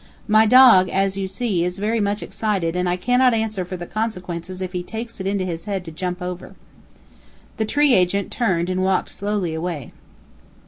My dog, as you see, is very much excited and I cannot answer for the consequences if he takes it into his head to jump over." The tree agent turned and walked slowly away.